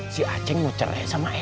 si aceh ngecerai sama em